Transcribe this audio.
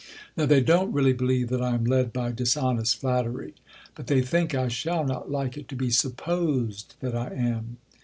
Now they don't really believe that I am led by "dishonest flattery." But they think I shall not like it to be supposed that I am.